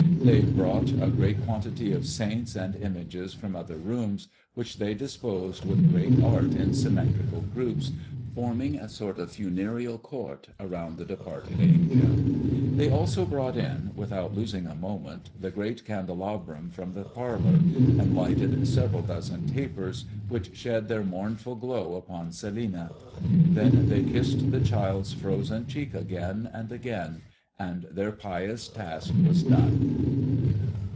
They brought a great quantity of saints and images from other rooms, which they disposed with great art in symmetrical groups, forming a sort of funereal court around the departed angel. They also brought in, without losing a moment, the great candelabrum from the parlor, and lighted several dozen tapers, which shed their mournful glow upon Celinina. Then they kissed the child's frozen cheek again and again, and their pious task was done.